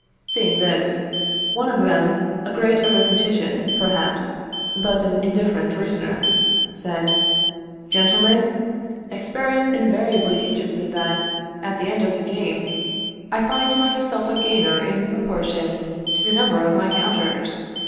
Seeing this, one of them, a great arithmetician perhaps, but an indifferent reasoner, said "Gentlemen, experience invariably teaches me that, at the end of the game, I find myself a gainer in proportion to the number of my counters.